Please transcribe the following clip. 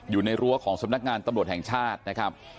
รั้วของสำนักงานตำรวจแห่งชาตินะครับ